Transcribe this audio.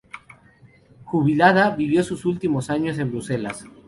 Jubilada, vivió sus últimos años en Bruselas.